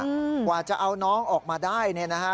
กว่าจะเอาน้องออกมาได้เนี่ยนะฮะ